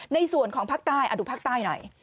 ในส่วนของภาคใต้ดูภาคใต้หน่อย